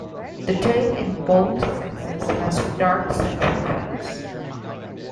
The tail in both sexes has dark central feathers.